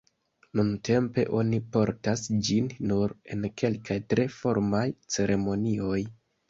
Nuntempe oni portas ĝin nur en kelkaj tre formalaj ceremonioj.